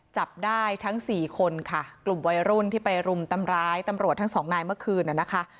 จับได้ทั้งสี่คนค่ะกลุ่มวัยรุ่นที่ไปรุมทำร้ายตำรวจทั้งสองนายเมื่อคืนน่ะนะคะ